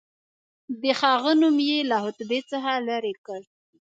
د هغه نوم یې له خطبې څخه لیري کړ.